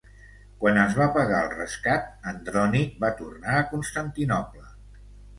Quan es va pagar el rescat Andrònic va tornar a Constantinoble.